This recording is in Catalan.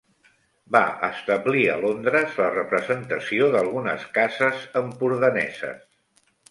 Va establir a Londres la representació d'algunes cases empordaneses.